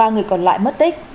ba người còn lại mất tích